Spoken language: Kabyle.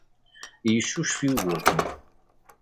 Yeccucef Yugurten.